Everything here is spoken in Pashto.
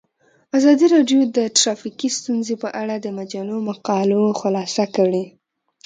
ازادي راډیو د ټرافیکي ستونزې په اړه د مجلو مقالو خلاصه کړې.